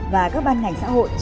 và các ban ngành xã hội